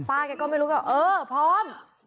ป้ากันก็ไม่รู้เออพร้อม